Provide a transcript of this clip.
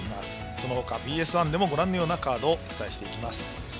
その他、ＢＳ１でもご覧のようなカードをお伝えします。